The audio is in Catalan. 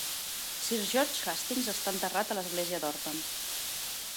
Sir George Hastings està enterrat a l'església d'Horton.